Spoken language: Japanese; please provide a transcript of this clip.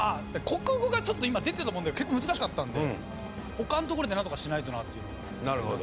国語が今出てた問題結構難しかったんで他のところでなんとかしないとなっていうのはありますね。